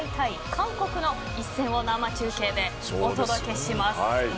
韓国の一戦を生中継でお届けします。